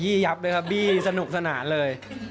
ขยี้ยับเลยครับบี้สนุกสนานเลย